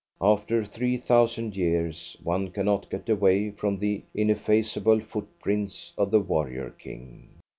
After three thousand years one cannot get away from the ineffaceable footprints of the warrior king.